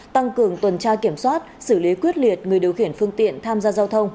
tăng cường tuần tra kiểm soát xử lý quyết liệt người điều khiển phương tiện tham gia giao thông